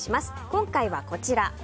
今回は、こちら。